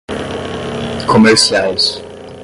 comerciais